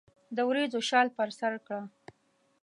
دوریځو شال پر سرکړه